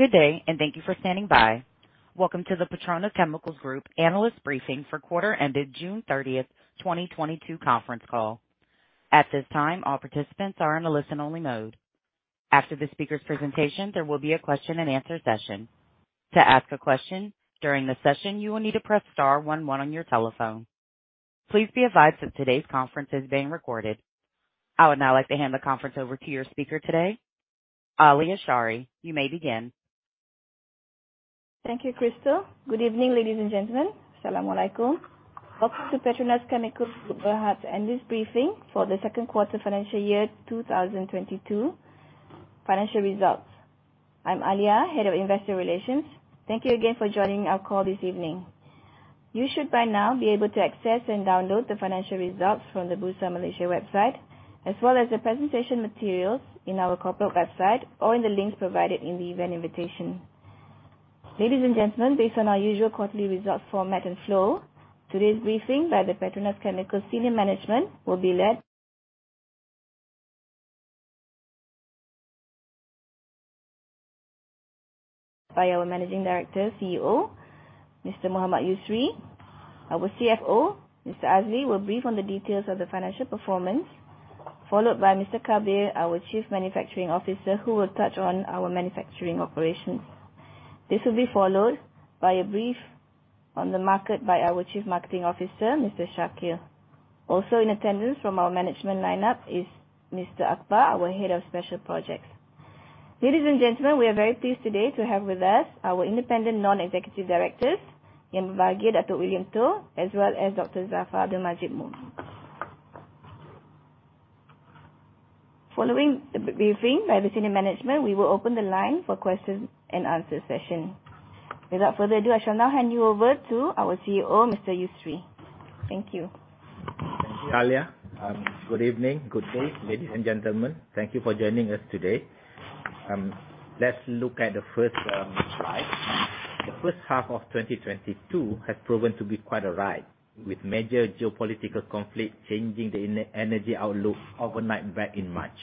Good day, thank you for standing by. Welcome to the PETRONAS Chemicals Group Analyst Briefing for quarter ended June 30th, 2022 conference call. At this time, all participants are in a listen only mode. After the speaker's presentation, there will be a question-and-answer session. To ask a question during the session, you will need to press star one one on your telephone. Please be advised that today's conference is being recorded. I would now like to hand the conference over to your speaker today, Zaida Alia Shaari. You may begin. Thank you, Crystal. Good evening, ladies and gentlemen. Salam alaikum. Welcome to PETRONAS Chemicals Group Berhad analyst briefing for the second quarter financial year 2022 financial results. I'm Alia, Head of Investor Relations. Thank you again for joining our call this evening. You should by now be able to access and download the financial results from the Bursa Malaysia website, as well as the presentation materials in our corporate website or in the links provided in the event invitation. Ladies and gentlemen, based on our usual quarterly results format and flow, today's briefing by the PETRONAS Chemicals Group senior management will be led by our Managing Director, CEO, Mr. Mohammad Yusri. Our CFO, Mr. Azli, will brief on the details of the financial performance, followed by Mr. Kabir, our Chief Manufacturing Officer, who will touch on our manufacturing operations. This will be followed by a brief on the market by our Chief Marketing Officer, Mr. Shakir. Also in attendance from our management lineup is Mr. Akbar, our Head of Special Projects. Ladies and gentlemen, we are very pleased today to have with us our Independent Non-Executive Directors, Dato' William Toh, as well as Dr. Zafar Abdulmajid Momin. Following the briefing by the senior management, we will open the line for questions and answer session. Without further ado, I shall now hand you over to our CEO, Mr. Yusri. Thank you. Thank you, Alia. Good evening. Good day, ladies and gentlemen. Thank you for joining us today. Let's look at the first slide. The first half of 2022 has proven to be quite a ride, with major geopolitical conflict changing the energy outlook overnight back in March.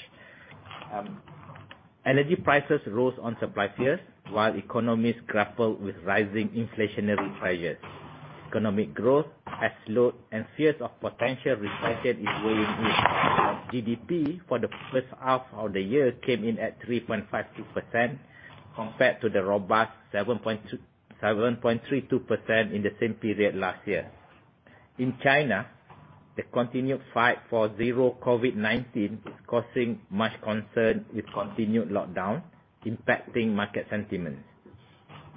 Energy prices rose on supply fears while economies grappled with rising inflationary pressures. Economic growth has slowed and fears of potential recession is weighing in. GDP for the first half of the year came in at 3.52% compared to the robust 7.32% in the same period last year. In China, the continued fight for zero COVID-19 is causing much concern with continued lockdown impacting market sentiment.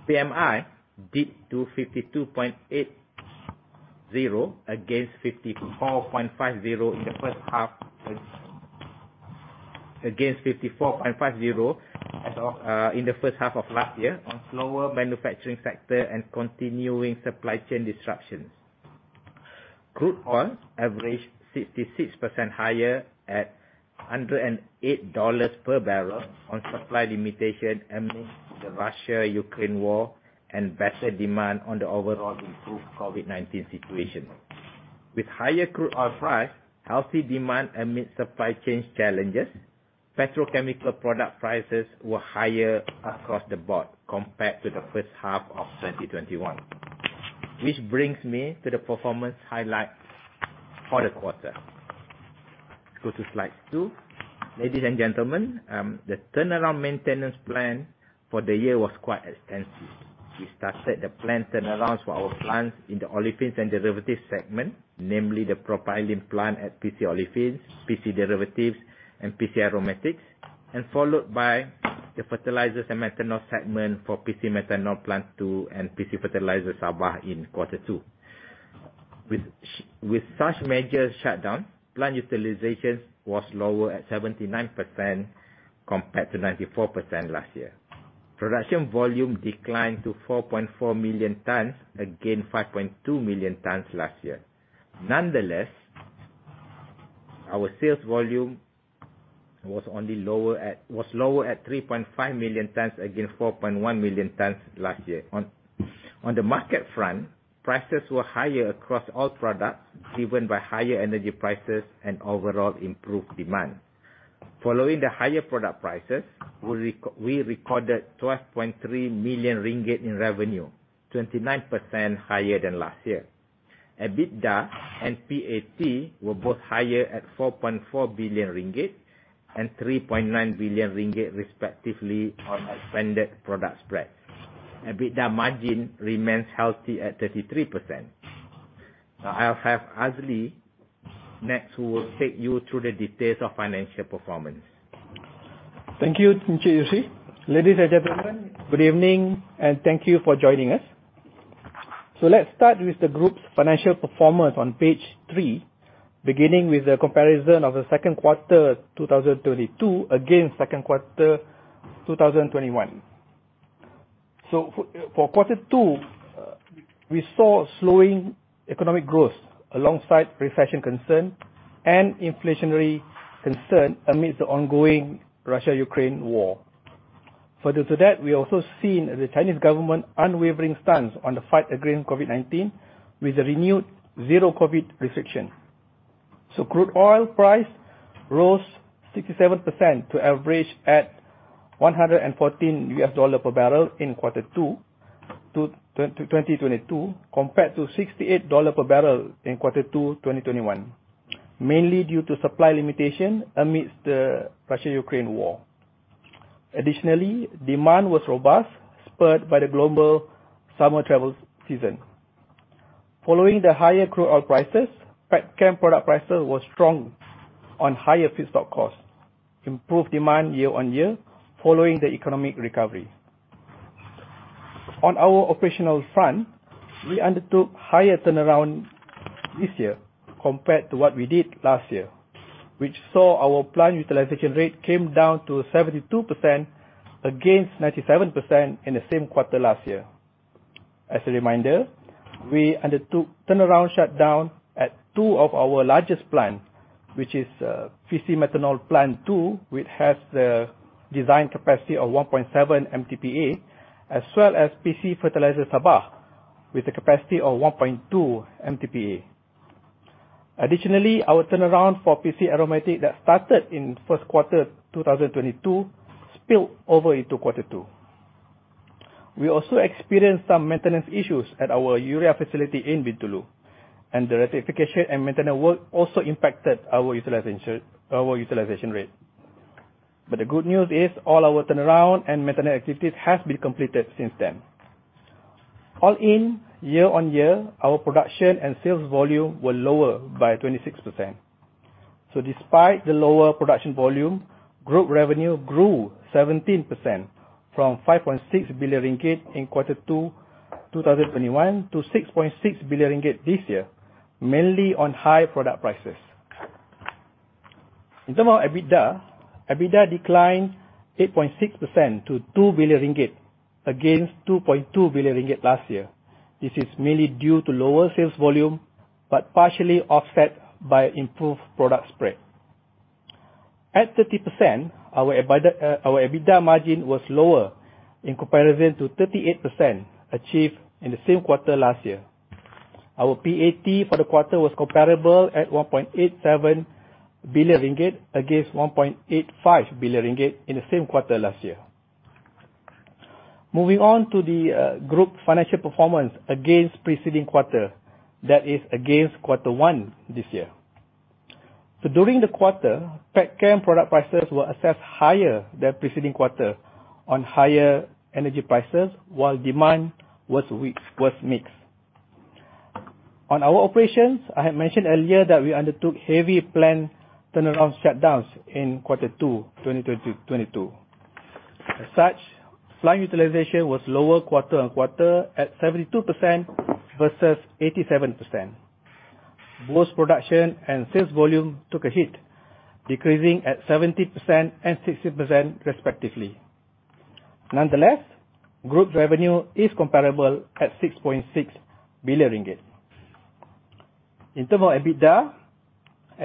PMI dipped to 52.80 against 54.50 in the first half of Against 54.50 in the first half of last year on slower manufacturing sector and continuing supply chain disruptions. Crude oil averaged 66% higher at $108 per barrel on supply limitation amidst the Russia-Ukraine war and better demand on the overall improved COVID-19 situation. With higher crude oil price, healthy demand amidst supply chain challenges, petrochemical product prices were higher across the board compared to the first half of 2021. Which brings me to the performance highlights for the quarter. Go to Slide 2. Ladies and gentlemen, the turnaround maintenance plan for the year was quite extensive. We started the plant turnarounds for our plants in the Olefins and Derivatives segment, namely the propylene plant at PC Olefins, PC Derivatives and PC Aromatics, and followed by the Fertilizers and Methanol segment for PC Methanol Plant Two and PC Fertilizers Sabah in quarter two. With such major shutdown, plant utilization was lower at 79% compared to 94% last year. Production volume declined to 4.4 million tons against 5.2 million tons last year. Nonetheless, our sales volume was only lower at 3.5 million tons against 4.1 million tons last year. On the market front, prices were higher across all products, driven by higher energy prices and overall improved demand. Following the higher product prices, we recorded 12.3 million ringgit in revenue, 29% higher than last year. EBITDA and PAT were both higher at 4.4 billion ringgit and 3.9 billion ringgit respectively on expanded product spread. EBITDA margin remains healthy at 33%. Now I'll have Azli next, who will take you through the details of financial performance. Thank you, Yusri. Ladies and gentlemen, good evening, and thank you for joining us. Let's start with the group's financial performance on Page 3, beginning with the comparison of the second quarter 2022 against second quarter 2021. For quarter two, we saw slowing economic growth alongside recession concern and inflationary concern amidst the ongoing Russia-Ukraine war. Further to that, we also seen the Chinese government unwavering stance on the fight against COVID-19 with a renewed zero COVID restriction. Crude oil price rose 67% to average at $114 per barrel in quarter two 2022, compared to $68 per barrel in quarter two 2021, mainly due to supply limitation amidst the Russia-Ukraine war. Additionally, demand was robust, spurred by the global summer travel season. Following the higher crude oil prices, petchem product prices were strong on higher feedstock costs, improved demand year on year following the economic recovery. On our operational front, we undertook higher turnaround this year compared to what we did last year, which saw our plant utilization rate came down to 72% against 97% in the same quarter last year. As a reminder, we undertook turnaround shutdown at two of our largest plant, which is PC Methanol Plant Two, which has the design capacity of 1.7 MTPA, as well as PC Fertilizer Sabah with a capacity of 1.2 MTPA. Additionally, our turnaround for PC Aromatics that started in first quarter 2022 spilled over into quarter two. We also experienced some maintenance issues at our urea facility in Bintulu, and the rectification and maintenance work also impacted our utilization rate. The good news is all our turnaround and maintenance activities has been completed since then. All in, year-on-year, our production and sales volume were lower by 26%. Despite the lower production volume, group revenue grew 17% from 5.6 billion ringgit in quarter two, 2021 to 6.6 billion ringgit this year, mainly on high product prices. In terms of EBITDA declined 8.6% to 2 billion ringgit against 2.2 billion ringgit last year. This is mainly due to lower sales volume but partially offset by improved product spread. At 30%, our EBITDA margin was lower in comparison to 38% achieved in the same quarter last year. Our PAT for the quarter was comparable at 1.87 billion ringgit against 1.85 billion ringgit in the same quarter last year. Moving on to the group financial performance against preceding quarter, that is against quarter one this year. During the quarter, Petchem product prices were assessed higher than preceding quarter on higher energy prices while demand was mixed. On our operations, I had mentioned earlier that we undertook heavy planned turnaround shutdowns in quarter two, 2022. As such, plant utilization was lower quarter-on-quarter at 72% versus 87%. Both production and sales volume took a hit, decreasing at 70% and 60% respectively. Nonetheless, group revenue is comparable at 6.6 billion ringgit. In terms of EBITDA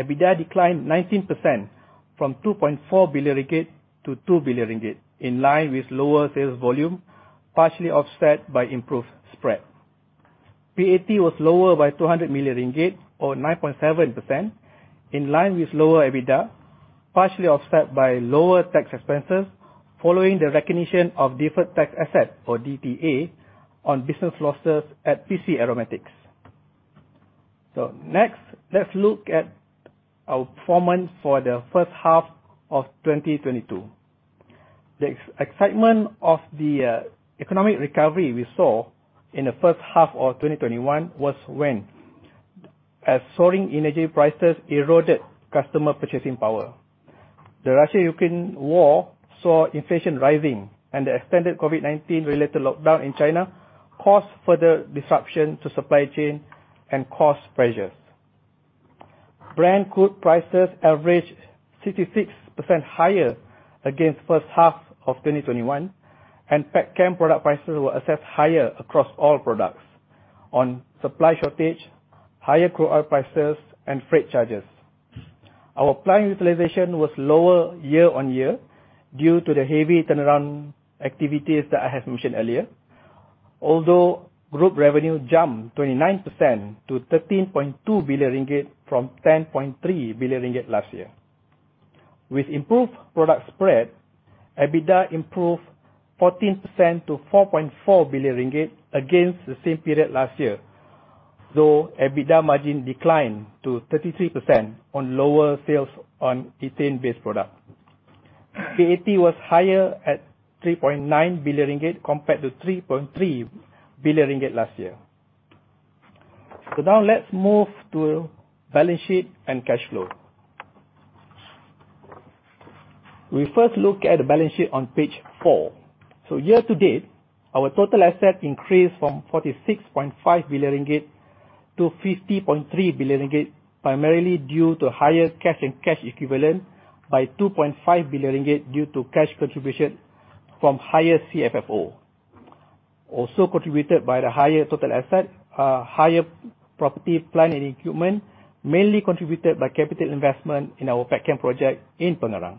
declined 19% from 2.4 billion-2 billion ringgit, in line with lower sales volume, partially offset by improved spread. PAT was lower by 200 million ringgit, or 9.7%, in line with lower EBITDA, partially offset by lower tax expenses following the recognition of deferred tax asset, or DTA, on business losses at PC Aromatics. Next, let's look at our performance for the first half of 2022. The excitement of the economic recovery we saw in the first half of 2021 has waned as soaring energy prices eroded customer purchasing power. The Russia-Ukraine war saw inflation rising, and the extended COVID-19 related lockdown in China caused further disruption to supply chain and cost pressures. Brent crude prices averaged 66% higher against first half of 2021, and petchem product prices were assessed higher across all products on supply shortage, higher crude oil prices, and freight charges. Our plant utilization was lower year-on-year due to the heavy turnaround activities that I have mentioned earlier. Although group revenue jumped 29% to 13.2 billion ringgit from 10.3 billion ringgit last year. With improved product spread, EBITDA improved 14% to 4.4 billion ringgit against the same period last year. EBITDA margin declined to 33% on lower sales on ethane-based product. PAT was higher at 3.9 billion ringgit compared to 3.3 billion ringgit last year. Now let's move to balance sheet and cash flow. We first look at the balance sheet on Page 4. Year to date, our total asset increased from 46.5 billion ringgit to 50.3 billion ringgit, primarily due to higher cash and cash equivalent by 2.5 billion ringgit due to cash contribution from higher CFFO. Also contributed by the higher total asset, higher property, plant and equipment, mainly contributed by capital investment in our petchem project in Pengerang.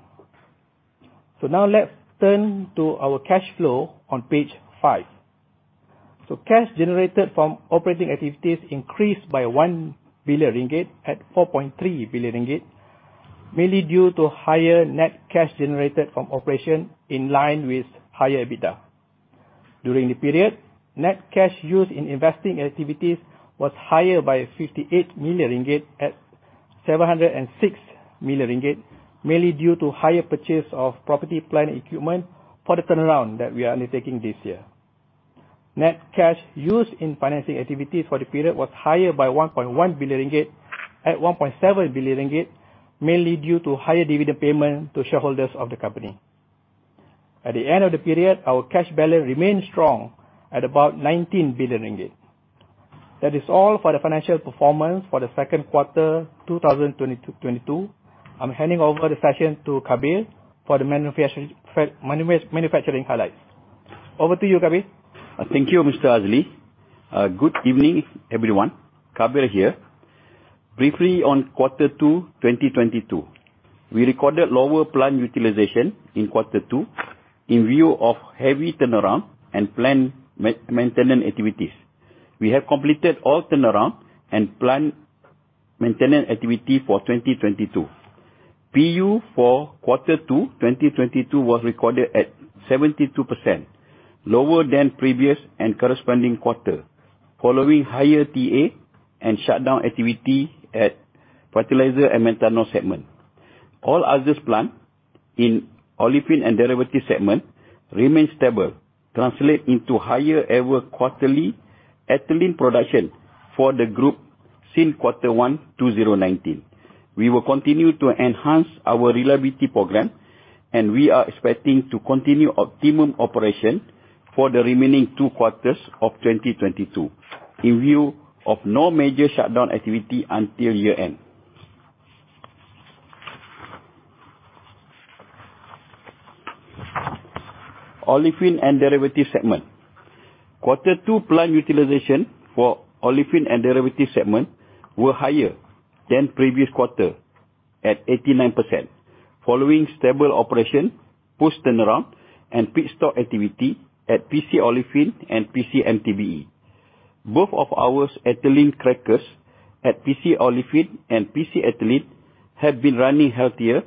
Now let's turn to our cash flow on Page 5. Cash generated from operating activities increased by 1 billion ringgit to 4.3 billion ringgit, mainly due to higher net cash generated from operation in line with higher EBITDA. During the period, net cash used in investing activities was higher by 58 million ringgit to 706 million ringgit, mainly due to higher purchase of property, plant and equipment for the turnaround that we are undertaking this year. Net cash used in financing activities for the period was higher by 1.1 billion ringgit at 1.7 billion ringgit, mainly due to higher dividend payment to shareholders of the company. At the end of the period, our cash balance remained strong at about 19 billion ringgit. That is all for the financial performance for the second quarter, 2022. I'm handing over the session to Kabir for the manufacturing highlights. Over to you, Kabir. Thank you, Mr. Azli. Good evening, everyone. Kabir here. Briefly on quarter two 2022. We recorded lower plant utilization in quarter two in view of heavy turnaround and plant maintenance activities. We have completed all turnaround and plant maintenance activity for 2022. PU for quarter two 2022 was recorded at 72%, lower than previous and corresponding quarter following higher TA and shutdown activity at fertilizer and methanol segment. All other plants in Olefins and Derivatives segment remain stable, translating into highest ever quarterly ethylene production for the group since quarter one 2019. We will continue to enhance our reliability program, and we are expecting to continue optimum operation for the remaining two quarters of 2022 in view of no major shutdown activity until year-end. Olefins and Derivatives segment. Quarter two plant utilization for Olefins and Derivatives segment were higher than previous quarter at 89% following stable operation, post-turnaround and feedstock activity at PC Olefins and PC MTBE. Both of our ethylene crackers at PC Olefins and PC Ethylene have been running healthier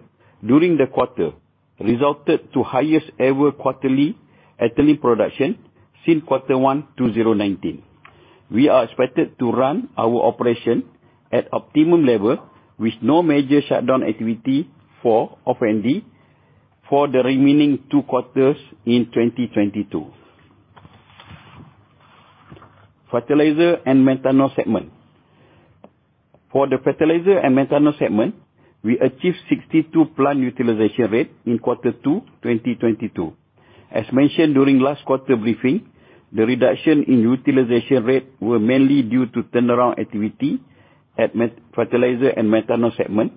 during the quarter, resulted to highest ever quarterly ethylene production since quarter one, 2019. We are expected to run our operation at optimum level with no major shutdown activity for O&D for the remaining two quarters in 2022. Fertilizer and Methanol segment. For the Fertilizer and Methanol segment, we achieved 62 plant utilization rate in quarter two, 2022. As mentioned during last quarter briefing, the reduction in utilization rate were mainly due to turnaround activity at our Fertilizer and Methanol segment,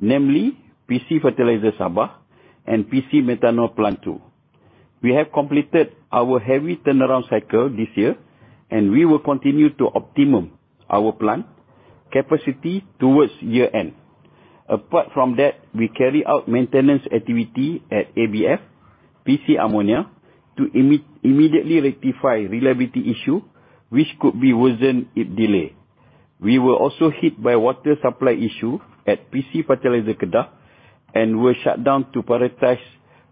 namely PC Fertilizer Sabah and PC Methanol Plant 2. We have completed our heavy turnaround cycle this year, and we will continue to optimize our plant capacity towards year-end. Apart from that, we carry out maintenance activity at ABF PC Ammonia to immediately rectify reliability issue which could be worsened if delayed. We were also hit by water supply issue at PC Fertilizer Kedah and were shut down to prioritize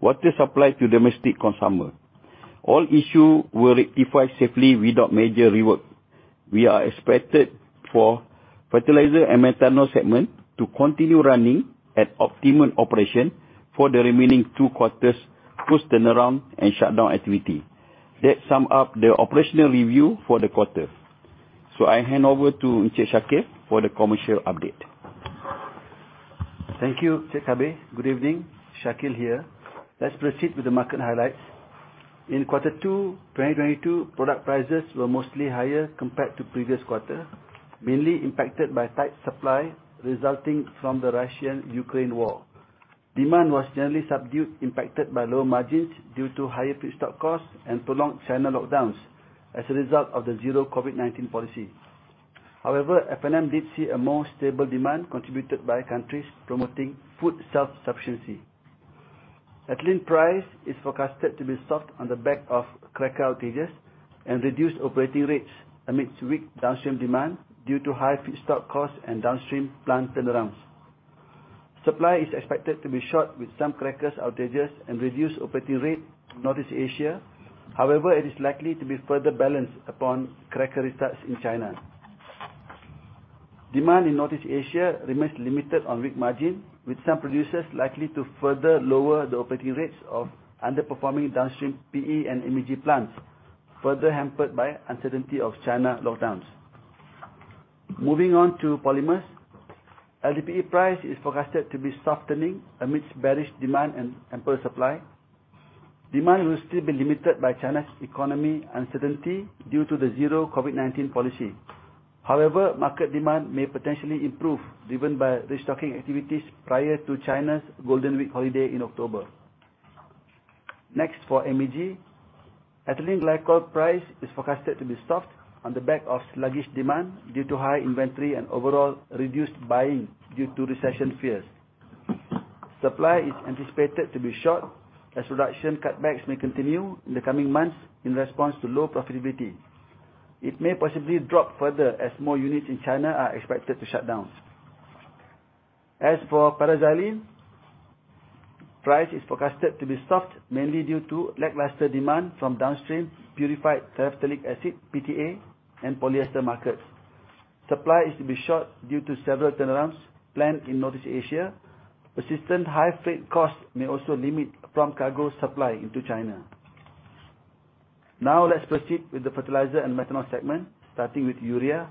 water supply to domestic consumer. All issue were rectified safely without major rework. We expect for fertilizer and methanol segment to continue running at optimum operation for the remaining two quarters, post-turnaround and shutdown activity. That sums up the operational review for the quarter. I hand over to Shakeel for the commercial update. Thank you, Kabir. Good evening. Shakeel here. Let's proceed with the market highlights. In quarter two, 2022, product prices were mostly higher compared to previous quarter, mainly impacted by tight supply resulting from the Russia-Ukraine war. Demand was generally subdued, impacted by lower margins due to higher feedstock costs and prolonged China lockdowns as a result of the zero COVID-19 policy. However, F&M did see a more stable demand contributed by countries promoting food self-sufficiency. Ethylene price is forecasted to be soft on the back of cracker outages and reduced operating rates amidst weak downstream demand due to high feedstock costs and downstream plant turnarounds. Supply is expected to be short with some crackers outages and reduced operating rate in Northeast Asia. However, it is likely to be further balanced upon cracker restarts in China. Demand in Northeast Asia remains limited on weak margin, with some producers likely to further lower the operating rates of underperforming downstream PE and MEG plants, further hampered by uncertainty of China lockdowns. Moving on to polymers. LDPE price is forecasted to be softening amidst bearish demand and ample supply. Demand will still be limited by China's economy uncertainty due to the zero COVID-19 policy. However, market demand may potentially improve, driven by restocking activities prior to China's Golden Week holiday in October. Next, for MEG. Ethylene glycol price is forecasted to be soft on the back of sluggish demand due to high inventory and overall reduced buying due to recession fears. Supply is anticipated to be short as production cutbacks may continue in the coming months in response to low profitability. It may possibly drop further as more units in China are expected to shut down. As for paraxylene, price is forecasted to be soft, mainly due to lackluster demand from downstream purified terephthalic acid, PTA, and polyester markets. Supply is to be short due to several turnarounds planned in Northeast Asia. Persistent high freight costs may also limit cargo supply into China. Now, let's proceed with the fertilizer and methanol segment, starting with urea.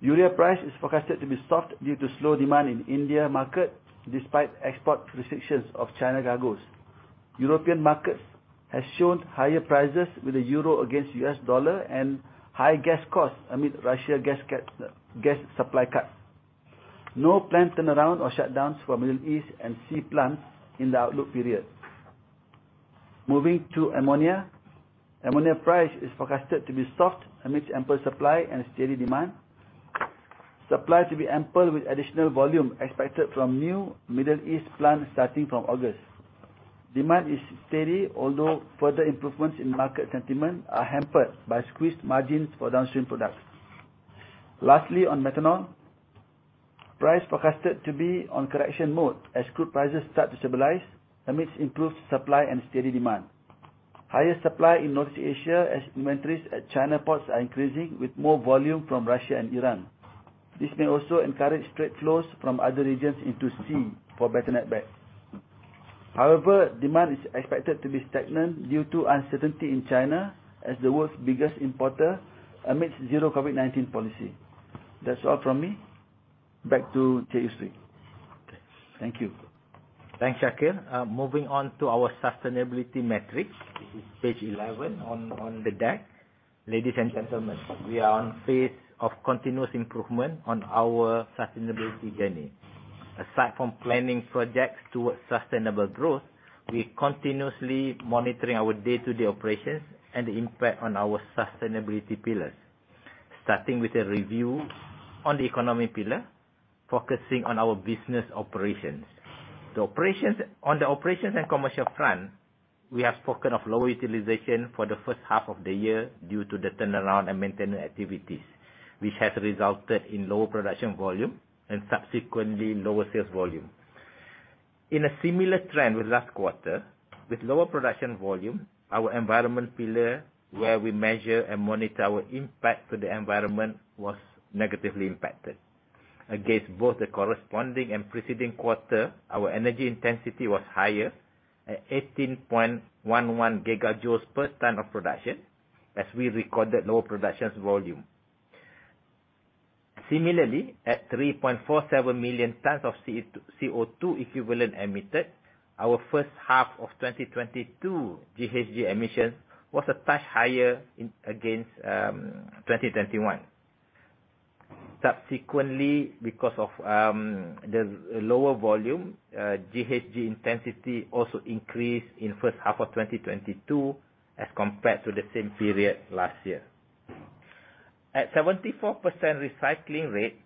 Urea price is forecasted to be soft due to slow demand in India market despite export restrictions of China cargos. European markets has shown higher prices with the euro against U.S. dollar and high gas costs amid Russia gas supply cut. No planned turnaround or shutdowns for Middle East and sea plants in the outlook period. Moving to ammonia. Ammonia price is forecasted to be soft amid ample supply and steady demand. Supply to be ample with additional volume expected from new Middle East plants starting from August. Demand is steady, although further improvements in market sentiment are hampered by squeezed margins for downstream products. Lastly, on methanol, price forecasted to be on correction mode as crude prices start to stabilize amidst improved supply and steady demand. Higher supply in Northeast Asia as inventories at China ports are increasing with more volume from Russia and Iran. This may also encourage straight flows from other regions into sea for better net back. However, demand is expected to be stagnant due to uncertainty in China as the world's biggest importer amidst zero COVID-19 policy. That's all from me. Back to Yusri. Okay. Thank you. Thanks, Shakeel. Moving on to our sustainability metrics. This is Page 11 on the deck. Ladies and gentlemen, we are on phase of continuous improvement on our sustainability journey. Aside from planning projects towards sustainable growth, we continuously monitoring our day-to-day operations and the impact on our sustainability pillars. Starting with a review on the economy pillar, focusing on our business operations. On the operations and commercial front, we have spoken of low utilization for the first half of the year due to the turnaround and maintenance activities, which has resulted in lower production volume and subsequently lower sales volume. In a similar trend with last quarter, with lower production volume, our environment pillar, where we measure and monitor our impact to the environment, was negatively impacted. Against both the corresponding and preceding quarter, our energy intensity was higher at 18.11 gigajoules per ton of production, as we recorded lower production volume. Similarly, at 3.47 million tons of CO₂ equivalent emitted, our first half of 2022 GHG emissions was a touch higher against 2021. Subsequently, because of the lower volume, GHG intensity also increased in first half of 2022 as compared to the same period last year. At 74% recycling rate,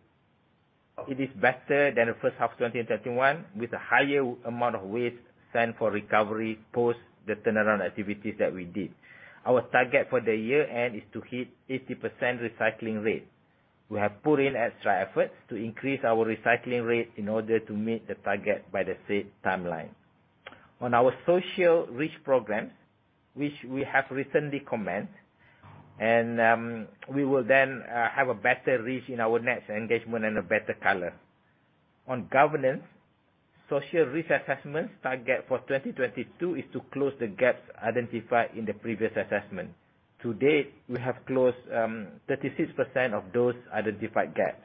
it is better than the first half 2021, with a higher amount of waste sent for recovery post the turnaround activities that we did. Our target for the year-end is to hit 80% recycling rate. We have put in extra efforts to increase our recycling rate in order to meet the target by the said timeline. On our social risk programs, which we have recently commenced, and we will then have a better reach in our next engagement and a better color. On governance, social risk assessments target for 2022 is to close the gaps identified in the previous assessment. To date, we have closed 36% of those identified gaps.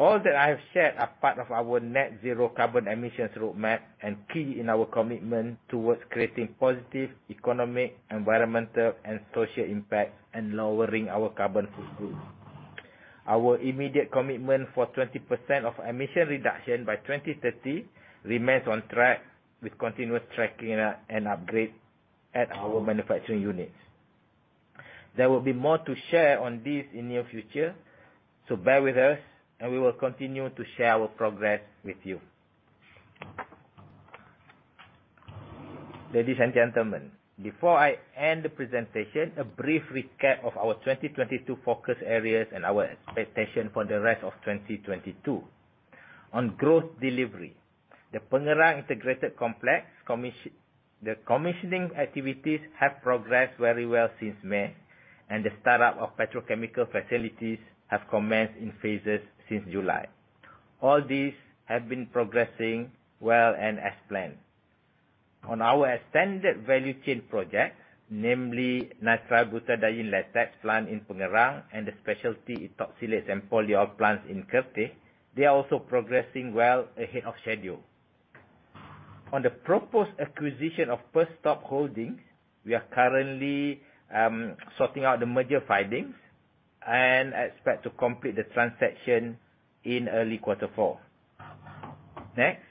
All that I have shared are part of our net zero carbon emissions roadmap, and key in our commitment towards creating positive economic, environmental, and social impact, and lowering our carbon footprint. Our immediate commitment for 20% of emission reduction by 2030 remains on track with continuous tracking and upgrade at our manufacturing units. There will be more to share on this in near future, so bear with us, and we will continue to share our progress with you. Ladies and gentlemen, before I end the presentation, a brief recap of our 2022 focus areas and our expectation for the rest of 2022. On growth delivery, the Pengerang integrated complex commissioning activities have progressed very well since May, and the startup of petrochemical facilities have commenced in phases since July. All these have been progressing well and as planned. On our extended value chain project, namely nitrile butadiene latex plant in Pengerang and the specialty ethoxylates and polyol plants in Kerteh, they are also progressing well ahead of schedule. On the proposed acquisition of Perstorp Holding AB, we are currently sorting out the merger filings. I expect to complete the transaction in early quarter four. Next,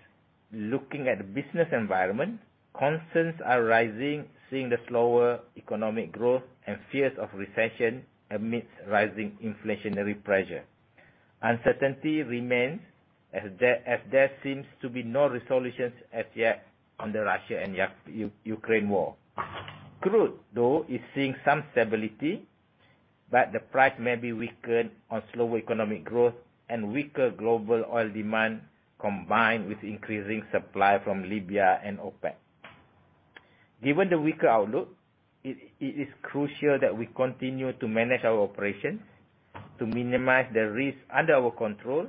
looking at the business environment, concerns are rising, seeing the slower economic growth and fears of recession amidst rising inflationary pressure. Uncertainty remains as there seems to be no resolutions as yet on the Russia-Ukraine war. Crude, though, is seeing some stability, but the price may be weakened on slower economic growth and weaker global oil demand, combined with increasing supply from Libya and OPEC. Given the weaker outlook, it is crucial that we continue to manage our operations to minimize the risk under our control,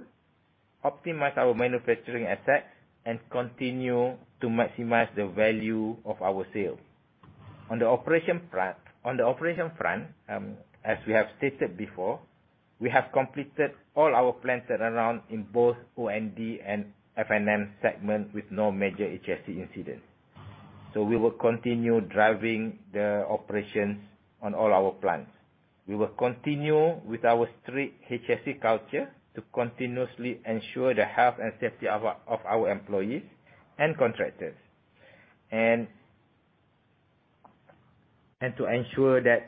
optimize our manufacturing assets, and continue to maximize the value of our sales. On the operation front, as we have stated before, we have completed all our planned turnaround in both O&D and F&M segment with no major HSE incidents. We will continue driving the operations on all our plants. We will continue with our strict HSE culture to continuously ensure the health and safety of our employees and contractors to ensure that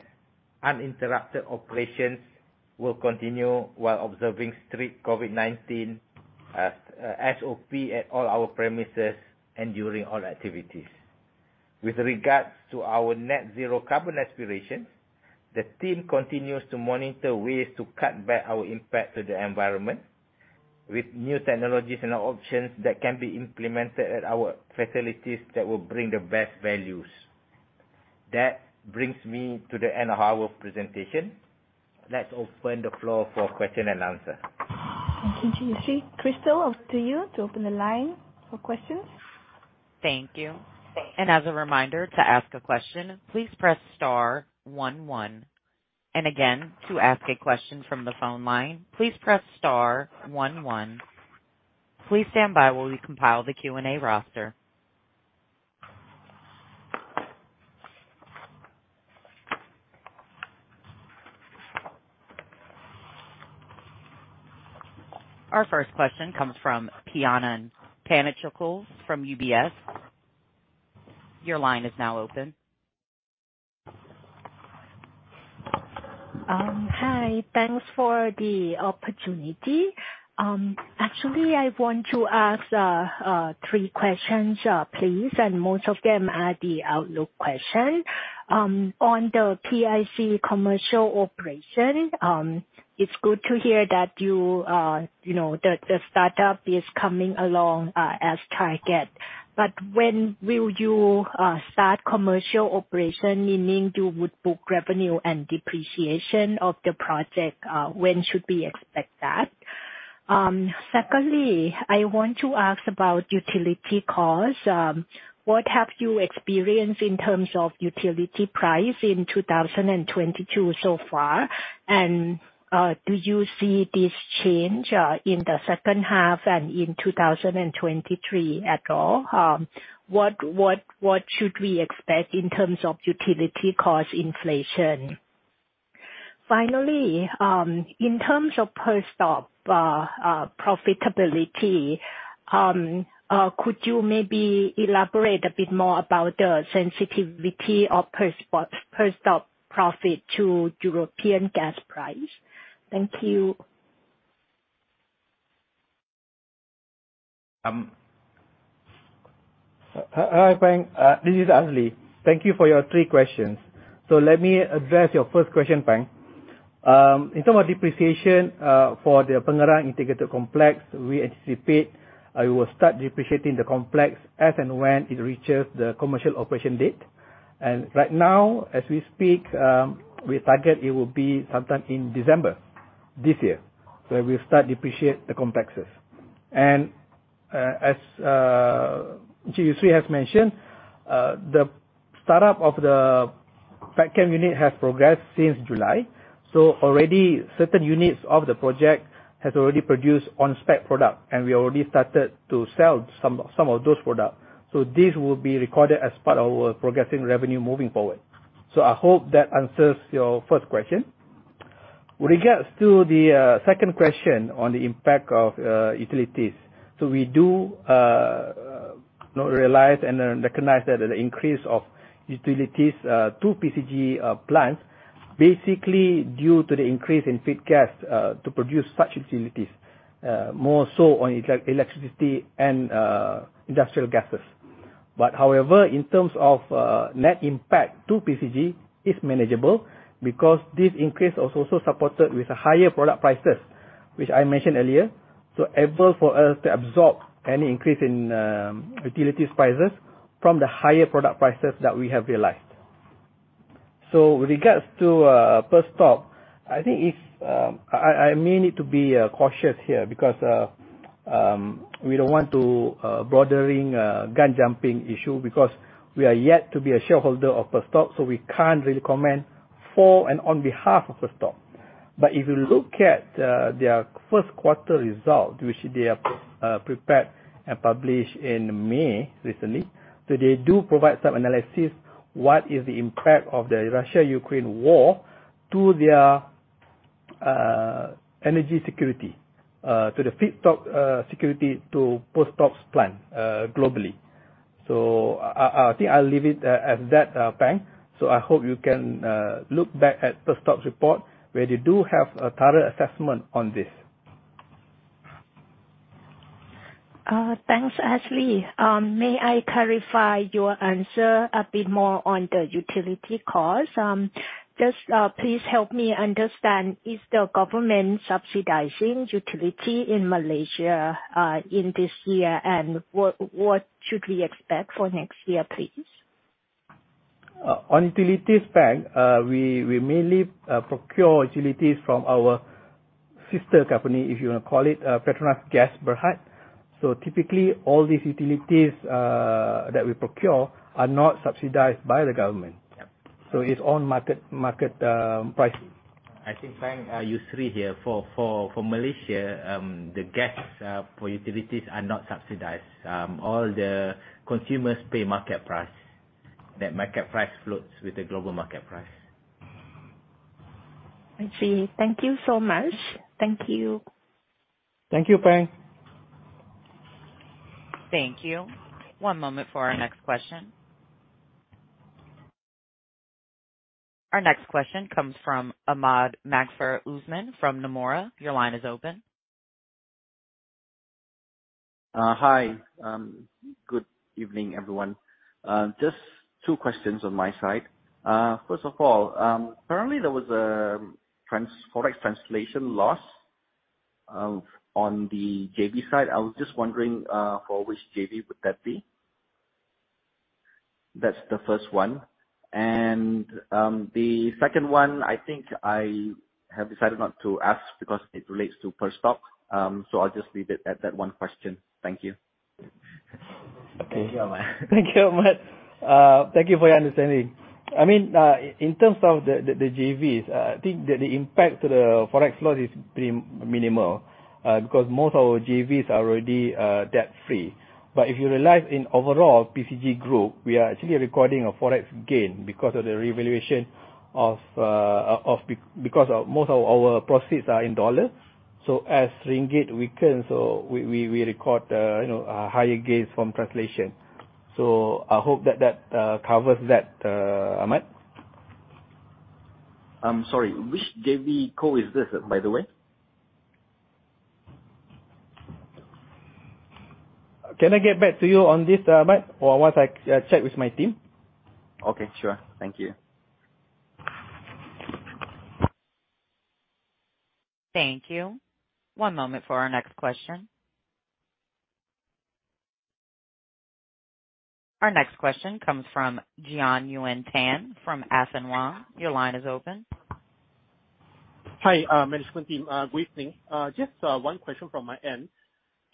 uninterrupted operations will continue while observing strict COVID-19 SOP at all our premises and during all activities. With regards to our net zero carbon aspirations, the team continues to monitor ways to cut back our impact to the environment with new technologies and options that can be implemented at our facilities that will bring the best values. That brings me to the end of our presentation. Let's open the floor for question and answer. Thank you, Yusri. Crystal, over to you to open the line for questions. Thank you. As a reminder, to ask a question, please press star one one. Again, to ask a question from the phone line, please press star one one. Please stand by while we compile the Q&A roster. Our first question comes from Piyanan Panichkul from UBS. Your line is now open. Hi. Thanks for the opportunity. Actually, I want to ask three questions, please, and most of them are the outlook question. On the PIC commercial operation, it's good to hear that you know the startup is coming along on target. When will you start commercial operation, meaning you would book revenue and depreciation of the project? When should we expect that? Secondly, I want to ask about utility costs. What have you experienced in terms of utility price in 2022 so far? Do you see this change in the second half and in 2023 at all? What should we expect in terms of utility cost inflation? Finally, in terms of Perstorp profitability, could you maybe elaborate a bit more about the sensitivity of Perstorp profit to European gas price? Thank you. Hi, Piyanan Panichkul. This is Azli. Thank you for your three questions. Let me address your first question, Piyanan Panichkul. In terms of depreciation, for the Pengerang Integrated Complex, we anticipate we will start depreciating the complex as and when it reaches the commercial operation date. Right now, as we speak, we target it will be sometime in December this year, where we'll start depreciate the complexes. As Yusri has mentioned, the startup of the petrochemical unit has progressed since July. Already certain units of the project has already produced on-spec product, and we already started to sell some of those products. This will be recorded as part of our progressing revenue moving forward. I hope that answers your first question. With regards to the second question on the impact of utilities, we do you know realize and recognize that the increase of utilities to PCG plants is basically due to the increase in feed gas to produce such utilities, more so on electricity and industrial gases. However, in terms of net impact to PCG, it's manageable because this increase is also supported with higher product prices, which I mentioned earlier, able for us to absorb any increase in utilities prices from the higher product prices that we have realized. With regards to Perstorp, I think I may need to be cautious here because we don't want to border on a gun-jumping issue because we are yet to be a shareholder of Perstorp, so we can't really comment for and on behalf of Perstorp. But if you look at their first quarter result, which they have prepared and published in May recently, so they do provide some analysis what is the impact of the Russia-Ukraine war to their energy security, to the feedstock security to Perstorp's plan globally. I think I'll leave it at that, Pang. I hope you can look back at Perstorp's report where they do have a thorough assessment on this. Thanks, Mohd Azli Ishak. May I clarify your answer a bit more on the utility cost? Just, please help me understand, is the government subsidizing utility in Malaysia, in this year? What should we expect for next year, please? On utilities, Pan, we mainly procure utilities from our sister company, if you wanna call it, PETRONAS Gas Berhad. Typically all these utilities that we procure are not subsidized by the government. It's on market pricing. I think, Pan, Yusri here. For Malaysia, the gas for utilities are not subsidized. All the consumers pay market price. That market price floats with the global market price. I see. Thank you so much. Thank you. Thank you, Pan. Thank you. One moment for our next question. Our next question comes from Ahmad Maghfur Usman from Nomura. Your line is open. Hi. Good evening, everyone. Just two questions on my side. First of all, currently, there was a Forex translation loss on the JV side. I was just wondering, for which JV would that be? That's the first one. The second one, I think I have decided not to ask because it relates to Perstorp. I'll just leave it at that one question. Thank you. Okay. Thank you, Ahmad. Thank you, Ahmad. Thank you for your understanding. I mean, in terms of the JVs, I think that the impact to the Forex loss is pretty minimal, because most of our JVs are already debt-free. If you realize in overall PCG Group, we are actually recording a Forex gain because of the revaluation because most of our proceeds are in dollars. As ringgit weakens, we record you know higher gains from translation. I hope that covers that, Ahmad. I'm sorry. Which JV co is this, by the way? Can I get back to you on this, Ahmad, or once I check with my team? Okay, sure. Thank you. Thank you. One moment for our next question. Our next question comes from Jian Yuan Tan from Affin Hwang. Your line is open. Hi, management team. Good evening. Just one question from my end.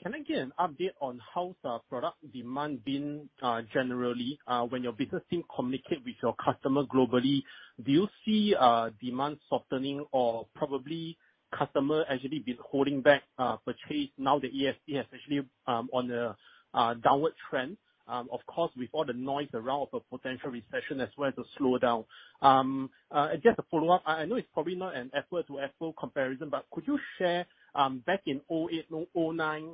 Can I get an update on how's product demand been generally when your business team communicate with your customer globally? Do you see demand softening or probably customer actually been holding back purchase now that ASP is actually on a downward trend, of course with all the noise around a potential recession as well as a slowdown? Just a follow-up, I know it's probably not an apples to apples comparison, but could you share back in 2008, 2009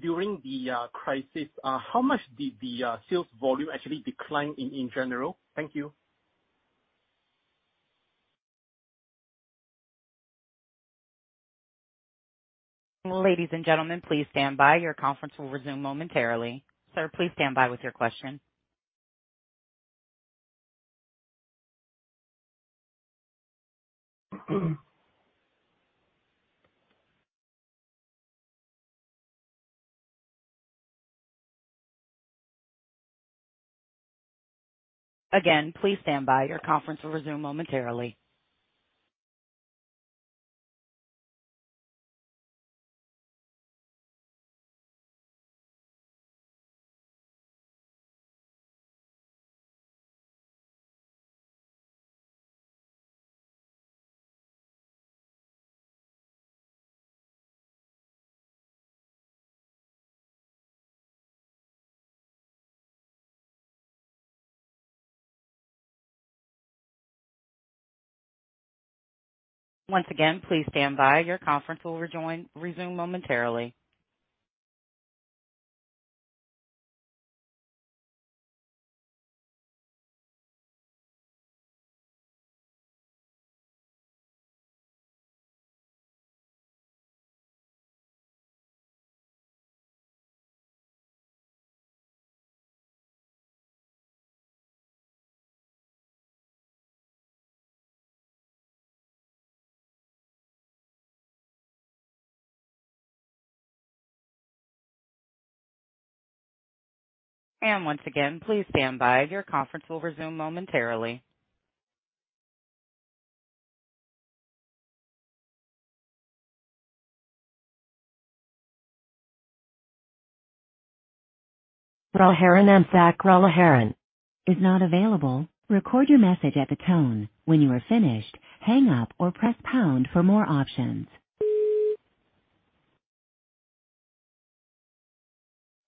during the crisis how much did the sales volume actually decline in general? Thank you. Ladies and gentlemen, please stand by. Your conference will resume momentarily. Sir, please stand by with your question. Again, please stand by. Your conference will resume momentarily. Once again, please stand by. Your conference will resume momentarily.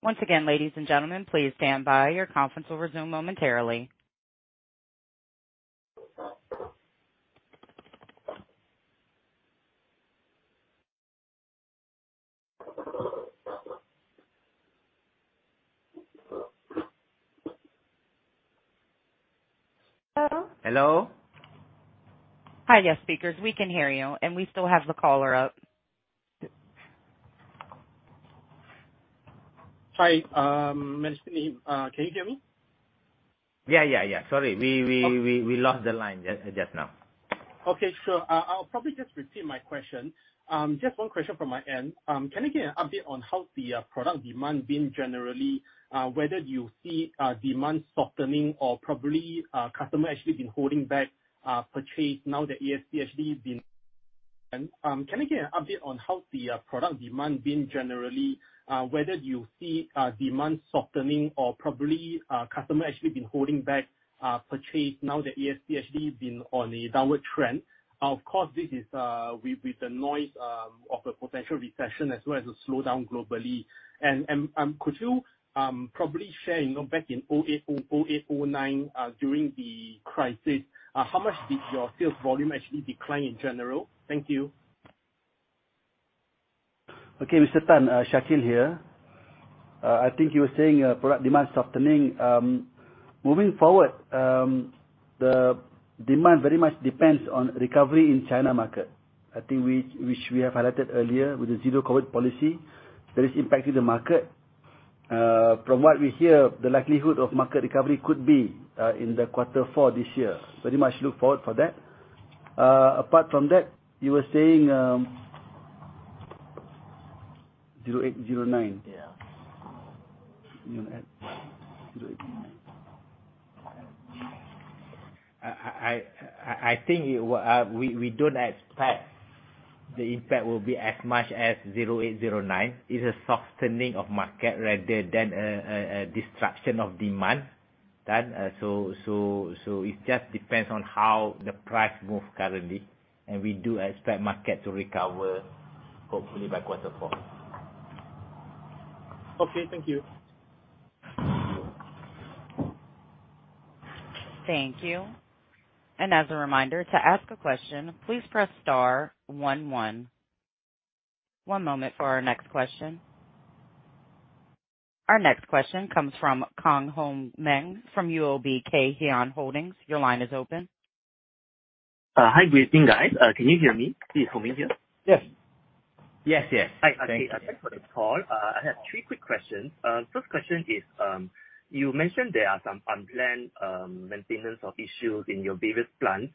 Once again, ladies and gentlemen, please stand by. Your conference will resume momentarily. Hello? Hello. Hi, yes, speakers. We can hear you, and we still have the caller up. Hi. Yeah. Sorry, we lost the line just now. I'll probably just repeat my question. Just one question from my end. Can I get an update on how the product demand been generally, whether you see demand softening or probably customer actually been holding back purchase now that ASP has been on a downward trend? Of course, this is with the noise of a potential recession as well as a slowdown globally. Could you probably share, you know, back in 2008, 2009, during the crisis, how much did your sales volume actually decline in general? Thank you. Okay, Mr. Tan, Shakeel here. I think you were saying product demand softening. Moving forward, the demand very much depends on recovery in China market. I think we have highlighted earlier with the zero-COVID policy that is impacting the market. From what we hear, the likelihood of market recovery could be in quarter four this year. Very much look forward for that. Apart from that, you were saying 08, 09. Yeah. 2008, 2009. I think we don't expect the impact will be as much as 2008, 2009. It's a softening of market rather than a disruption of demand. It just depends on how the price moves currently, and we do expect market to recover hopefully by quarter four. Okay. Thank you. Thank you. As a reminder, to ask a question, please press star one one. One moment for our next question. Our next question comes from Kang Hong Meng from UOB-Kay Hian Holdings Limited. Your line is open. Hi. Greetings, guys. Can you hear me please from in here? Yes. Yes, yes. Hi. Okay. Thanks for the call. I have three quick questions. First question is, you mentioned there are some unplanned maintenance issues in your various plants.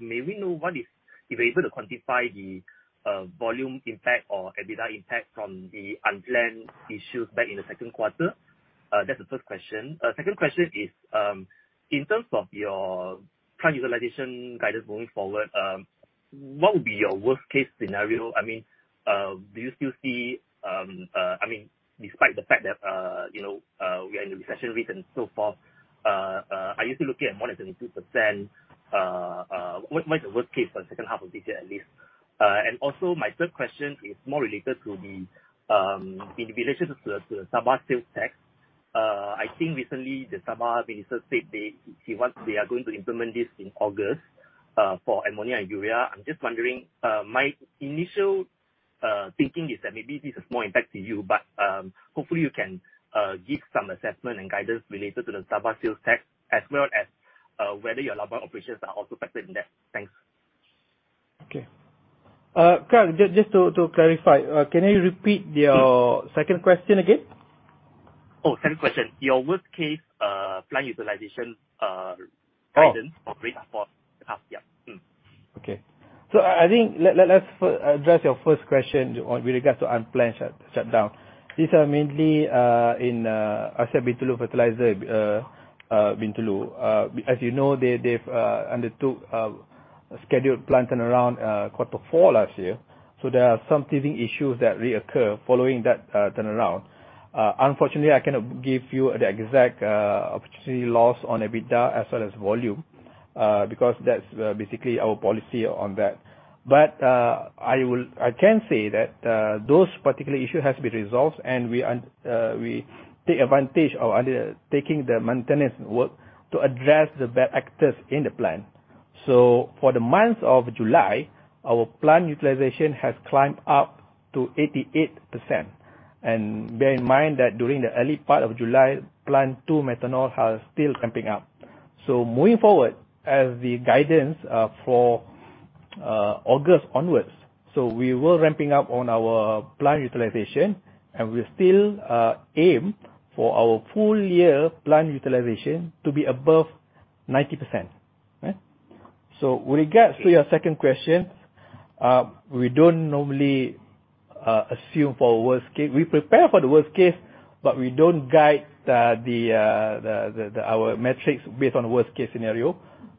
May we know if you're able to quantify the volume impact or EBITDA impact from the unplanned issues back in the second quarter? That's the first question. Second question is, in terms of your plant utilization guidance going forward, what would be your worst case scenario? I mean, do you still see, I mean, despite the fact that, you know, we are in the recession risk and so forth, are you still looking at more than 72%? What is the worst case for the second half of this year at least? My third question is more related to the Sabah sales tax. I think recently the Sabah minister said they are going to implement this in August for ammonia and urea. I'm just wondering, my initial thinking is that maybe this is more impact to you, but hopefully you can give some assessment and guidance related to the Sabah sales tax as well as whether your Sabah operations are also affected in that. Thanks. Okay. Kang, just to clarify, can you repeat your second question again? Oh, second question. Your worst case plant utilization guidance? Oh. For the rest of the half year. I think let's address your first question on, with regards to unplanned shutdown. These are mainly in ASEAN Bintulu Fertilizer, Bintulu. As you know, they've undertook a scheduled plant turnaround, quarter four last year. There are some teething issues that reoccur following that turnaround. Unfortunately, I cannot give you the exact opportunity loss on EBITDA as well as volume, because that's basically our policy on that. I can say that those particular issue has been resolved and we take advantage of taking the maintenance work to address the backlog in the plant. For the month of July, our plant utilization has climbed up to 88%. Bear in mind that during the early part of July, PETRONAS Chemicals Methanol Sdn. Bhd. Plant 2 is still ramping up. Moving forward, as the guidance for August onwards, we were ramping up on our plant utilization and we still aim for our full year plant utilization to be above 90%. Right? With regards to your second question, we don't normally assume for worst case. We prepare for the worst case, but we don't guide our metrics based on worst case scenario.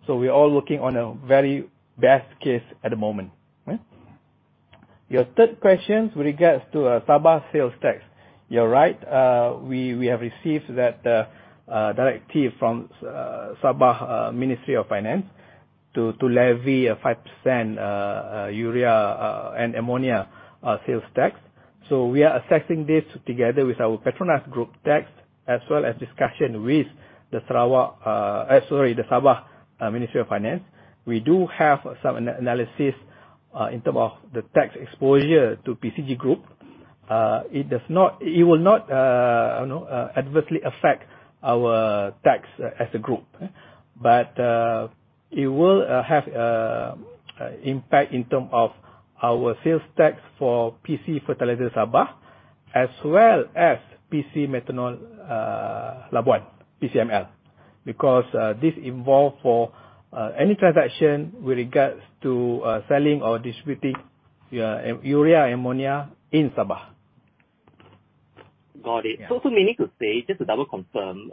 We're all looking on a very best case at the moment. Right? Your third question with regards to Sabah sales tax. You're right. We have received that directive from Sabah State Ministry of Finance to levy a 5% urea and ammonia sales tax. We are assessing this together with our PETRONAS Group tax, as well as discussion with the Sabah Ministry of Finance. We do have some analysis in terms of the tax exposure to PCG Group. It will not, you know, adversely affect our tax as a group, but it will have impact in terms of our sales tax for PC Fertilizer Sabah as well as PC Methanol Labuan, PCML. Because this involve for any transaction with regards to selling or distributing urea ammonia in Sabah. Got it. Yeah. Meaning to say, just to double confirm,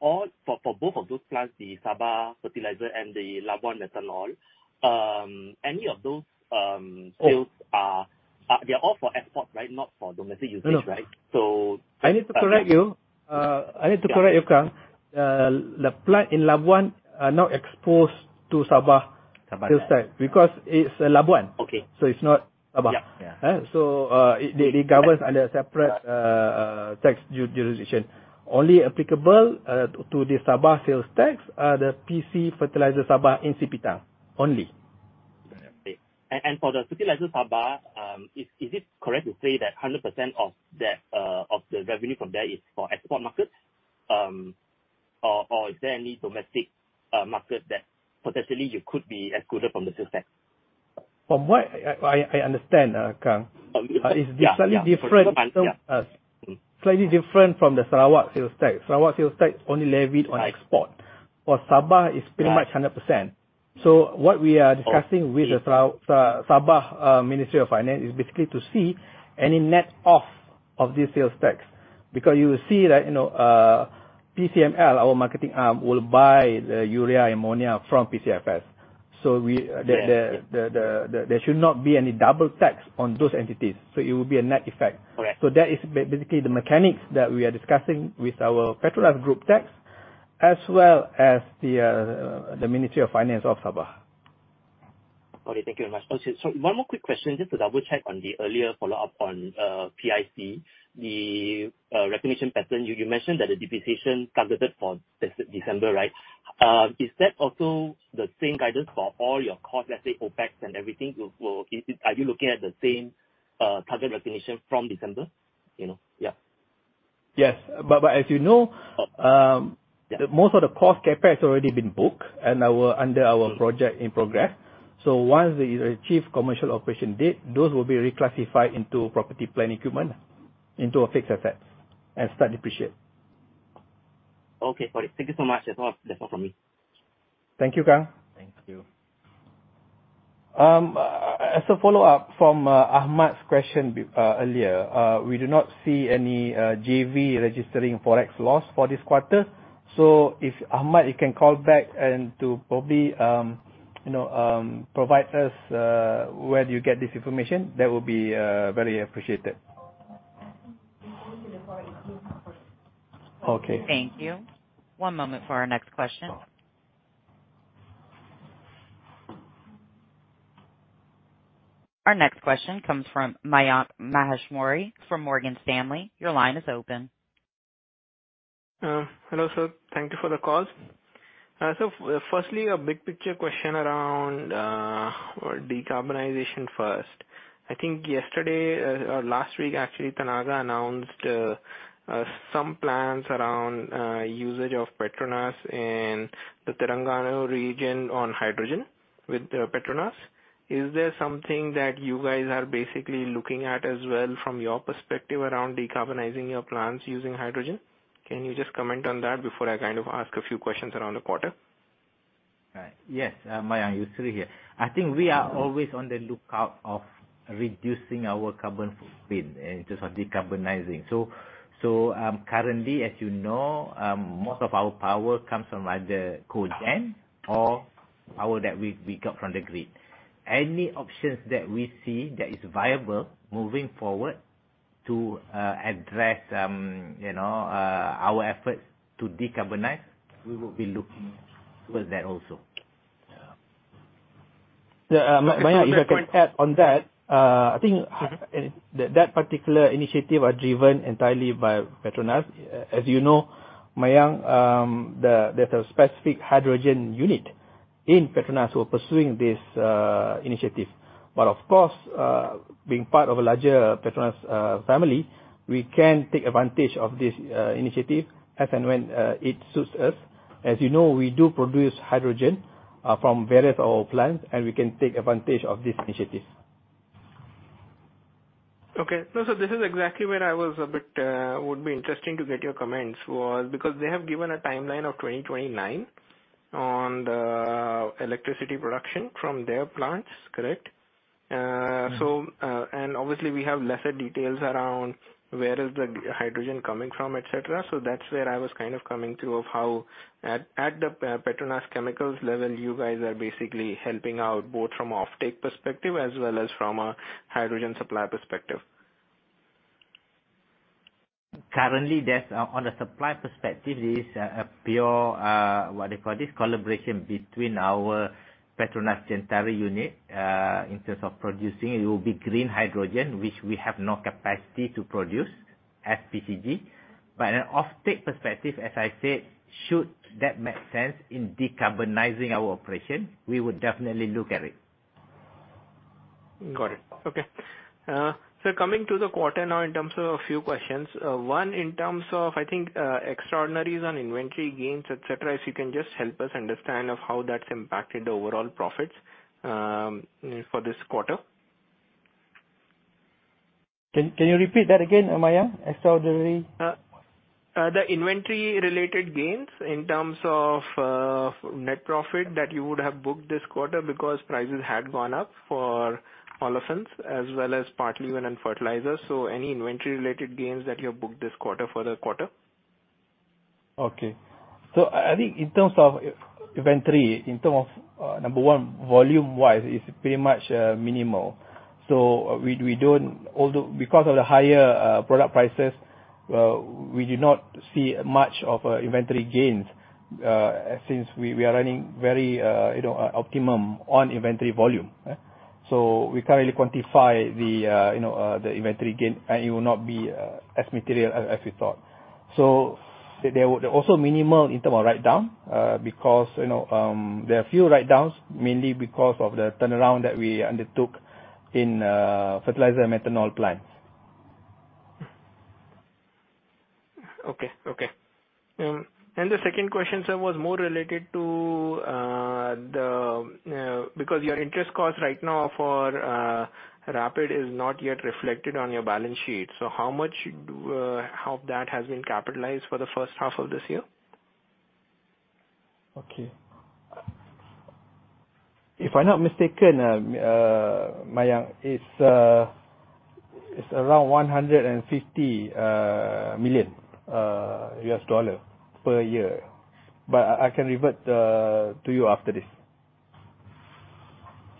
all for both of those plants, the Sabah Fertiliser and the Labuan Methanol, any of those sales are, they are all for export, right? Not for domestic usage, right? No. So- I need to correct you, Kang. Yeah. The plant in Labuan are not exposed to Sabah- Sabah. ....sales tax because it's Labuan. Okay. It's not Sabah. Yeah. They governs under separate tax jurisdiction. Only applicable to the Sabah sales tax are the PC Fertiliser Sabah Sdn Bhd in Sipitang only. For the Fertiliser Sabah, is it correct to say that 100% of that of the revenue from there is for export markets, or is there any domestic market that potentially you could be excluded from the sales tax? From what I understand, Kang- Yeah, yeah. ...It's slightly different. Confirm, yeah. Slightly different from the Sarawak sales tax. Sarawak sales tax only levied on export. For Sabah is pretty much 100%. What we are discussing with the Sabah Ministry of Finance is basically to see any net off of the sales tax. Because you will see that, you know, PCML, our marketing arm, will buy the urea ammonia from PCFS. Yes. There should not be any double tax on those entities, so it will be a net effect. Correct. That is basically the mechanics that we are discussing with our PETRONAS Group tax as well as the Sabah State Ministry of Finance. Okay, thank you very much. One more quick question, just to double check on the earlier follow-up on PCG. The recognition pattern, you mentioned that the depreciation targeted for December, right? Is that also the same guidance for all your costs, let's say, OpEx and everything will. Are you looking at the same target recognition from December? You know? Yeah. Yes. As you know, most of the CapEx costs already been booked under our project in progress. Once we achieve commercial operation date, those will be reclassified into property plant equipment, into our fixed assets and start depreciate. Okay. Got it. Thank you so much. That's all, that's all from me. Thank you, Kang. Thank you. As a follow-up from Ahmad's question earlier, we do not see any JV registering Forex loss for this quarter. If Ahmad, you can call back and to probably, you know, provide us where you get this information, that would be very appreciated. Okay. Thank you. One moment for our next question. Our next question comes from Mayank Maheshwari from Morgan Stanley. Your line is open. Hello, sir. Thank you for the call. Firstly, a big picture question around decarbonization first. I think yesterday, or last week actually, Tenaga announced some plans around usage of hydrogen in the Terengganu region on hydrogen with PETRONAS. Is there something that you guys are basically looking at as well from your perspective around decarbonizing your plants using hydrogen? Can you just comment on that before I kind of ask a few questions around the quarter? Yes. Mayank, Yusri here. I think we are always on the lookout for reducing our carbon footprint in terms of decarbonizing. Currently, as you know, most of our power comes from either cogeneration or power that we got from the grid. Any options that we see that is viable moving forward to address, you know, our efforts to decarbonize, we will be looking towards that also. Yeah. Yeah, Mayank, if I could add on that, I think-That particular initiative are driven entirely by PETRONAS. As you know, Mayank, there's a specific hydrogen unit in PETRONAS who are pursuing this initiative. Of course, being part of a larger PETRONAS family, we can take advantage of this initiative as and when it suits us. As you know, we do produce hydrogen from various of our plants, and we can take advantage of this initiative. Okay. No, this is exactly where I was a bit would be interesting to get your comments, was because they have given a timeline of 2029 on the electricity production from their plants, correct? And obviously we have lesser details around where is the hydrogen coming from, et cetera. That's where I was kind of coming through of how at the PETRONAS Chemicals level, you guys are basically helping out both from offtake perspective as well as from a hydrogen supply perspective. Currently, there's on a supply perspective, there is a pure what they call this collaboration between our PETRONAS Chemicals unit in terms of producing. It will be green hydrogen, which we have no capacity to produce as PCG. On an offtake perspective, as I said, should that make sense in decarbonizing our operation, we would definitely look at it. Got it. Okay. Coming to the quarter now in terms of a few questions. One, in terms of, I think, extraordinaries on inventory gains, et cetera. If you can just help us understand of how that's impacted the overall profits, for this quarter. Can you repeat that again, Mayank? Extraordinary. The inventory related gains in terms of net profit that you would have booked this quarter because prices had gone up for olefins as well as partly even in fertilizers. Any inventory related gains that you have booked this quarter for the quarter. I think in terms of inventory, number one, volume-wise is pretty much minimal. Although because of the higher product prices, we do not see much of inventory gains, since we are running very optimal on inventory volume. We currently quantify the inventory gain, and it will not be as material as we thought. There also minimal in terms of write-down, because there are few write-downs, mainly because of the turnaround that we undertook in fertilizer methanol plants. The second question, sir, was more related to because your interest cost right now for RAPID is not yet reflected on your balance sheet. How much that has been capitalized for the first half of this year? Okay. If I'm not mistaken, Mayank, it's around $150 million per year. I can revert to you after this.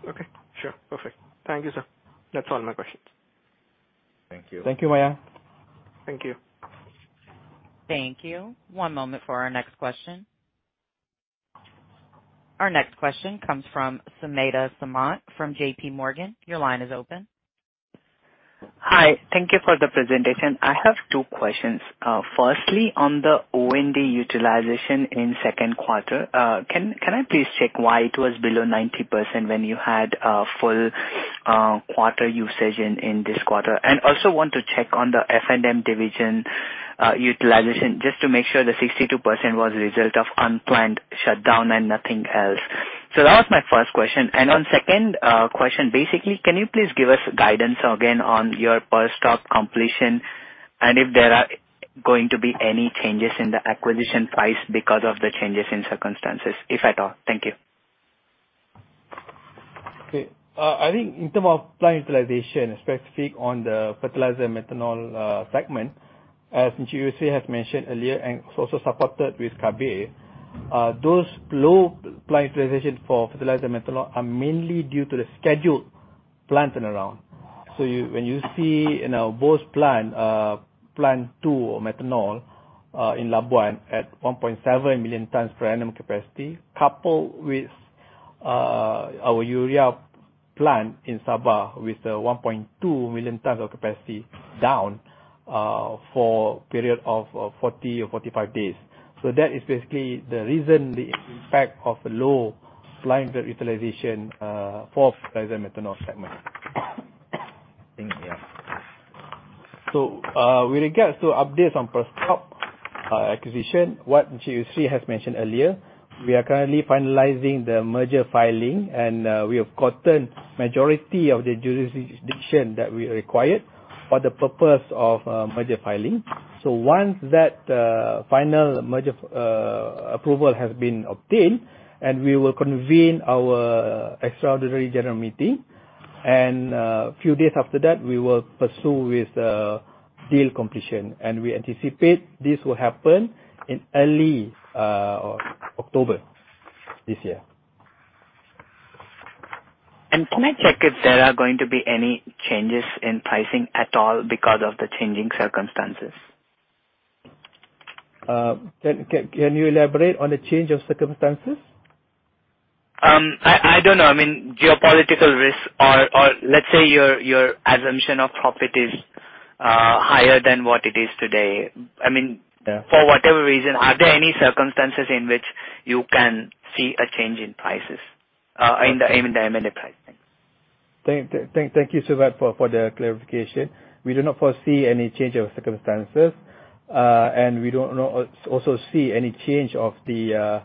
Okay. Sure. Perfect. Thank you, sir. That's all my questions. Thank you. Thank you, Mayank. Thank you. Thank you. One moment for our next question. Our next question comes from Sumedh Samant from J.P. Morgan. Your line is open. Hi. Thank you for the presentation. I have two questions. First, on the O&D utilization in second quarter, can I please check why it was below 90% when you had a full quarter usage in this quarter? Also want to check on the F&M division utilization, just to make sure the 62% was a result of unplanned shutdown and nothing else. That was my first question. On second question, basically, can you please give us guidance again on your Perstorp completion and if there are going to be any changes in the acquisition price because of the changes in circumstances, if at all? Thank you. I think in terms of plant utilization, specifically on the fertilizer methanol segment, as Yusri has mentioned earlier and it's also supported with Kabe, those low plant utilization for fertilizer methanol are mainly due to the scheduled plant turnaround. When you see in our both plant two methanol in Labuan at 1.7 million tons per annum capacity, coupled with our urea plant in Sabah with a 1.2 million tons of capacity down for a period of 40 or 45 days. That is basically the reason, the impact of the low plant utilization for fertilizer methanol segment. Yeah. With regards to updates on Perstorp acquisition, what Yusri has mentioned earlier, we are currently finalizing the merger filing, and we have gotten majority of the jurisdiction that we required for the purpose of merger filing. Once that final merger approval has been obtained, we will convene our extraordinary general meeting. Few days after that, we will pursue with deal completion. We anticipate this will happen in early October this year. Can I check if there are going to be any changes in pricing at all because of the changing circumstances? Can you elaborate on the change of circumstances? I don't know. I mean, geopolitical risk or let's say your assumption of profit is higher than what it is today. I mean. Yeah. For whatever reason, are there any circumstances in which you can see a change in prices, in the amended price? Thanks. Thank you, Sumedh, for the clarification. We do not foresee any change of circumstances. We don't also see any change of the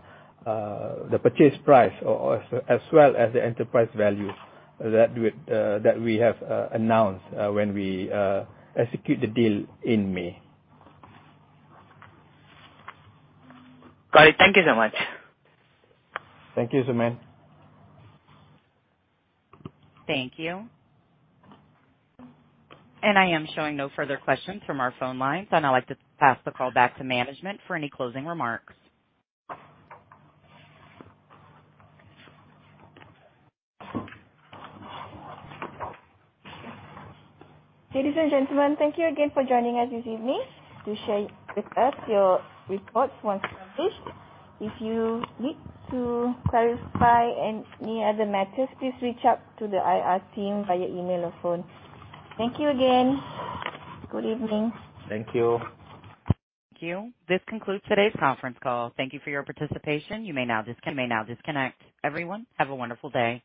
purchase price or as well as the enterprise value that we have announced when we execute the deal in May. Got it. Thank you so much. Thank you, Sumedh. Thank you. I am showing no further questions from our phone lines. I'd like to pass the call back to management for any closing remarks. Ladies and gentlemen, thank you again for joining us this evening to share with us your reports once published. If you need to clarify any other matters, please reach out to the IR team via email or phone. Thank you again. Good evening. Thank you. Thank you. This concludes today's conference call. Thank you for your participation. You may now disconnect. Everyone, have a wonderful day.